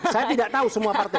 saya tidak tahu semua partai